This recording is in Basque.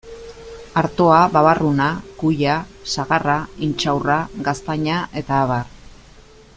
Artoa, babarruna, kuia, sagarra, intxaurra, gaztaina eta abar.